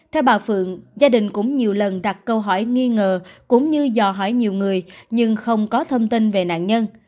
theo bà phượng gia đình cũng nhiều lần đặt câu hỏi nghi ngờ cũng như dò hỏi nhiều người nhưng không có thông tin về nạn nhân